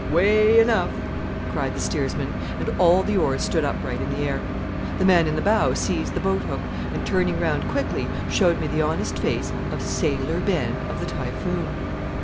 "Way enough!" cried the steersman, and all the oars stood upright in the air. The man in the bow seized the boat hook, and, turning round quickly, showed me the honest face of Sailor Ben of the Typhoon.